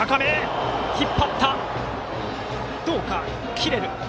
切れる。